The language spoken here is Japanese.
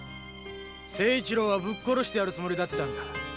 清一郎はブッ殺してやるつもりだったんだ。